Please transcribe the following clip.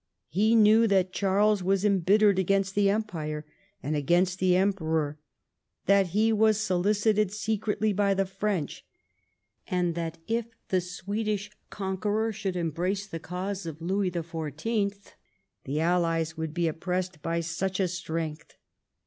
He knew that Charles was embittered against the empire and against the Emperor ; that he was soHcited secretly by the Prench ; and that if the Swedish conqueror should embrace the cause of Louis the Pourteenth, the Allies would be oppressed by such a strength.